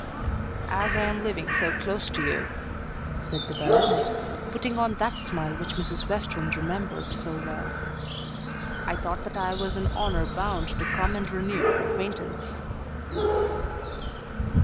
"As I am living so close to you," said the baronet, putting on that smile which Mrs. Western remembered so well, "I thought that I was in honour bound to come and renew our acquaintance."